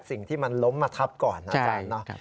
สิ่งที่มันล้มมาทับก่อนนะครับ